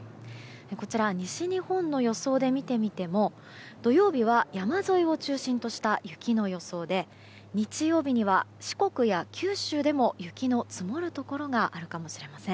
こちら、西日本の予想で見てみても土曜日は山沿いを中心とした雪の予想で日曜日には四国や九州でも雪の積もるところがあるかもしれません。